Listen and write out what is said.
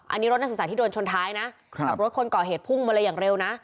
อันนี้รถนักศึกษาที่โดนชนท้ายนะกับรถคนก่อเหตุพุ่งมาเลยอย่างเร็วนะ